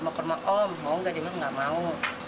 mau ke rumah om mau gak dia bilang gak mau